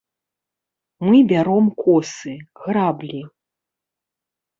Мы бяром косы, граблі.